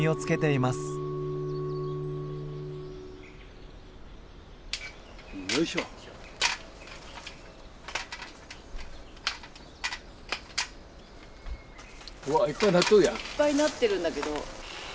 いっぱいなってるんだけど。